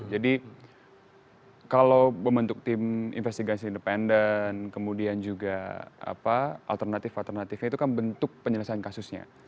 jadi kalau membentuk tim investigasi independen kemudian juga alternatif alternatifnya itu kan bentuk penyelesaian kasusnya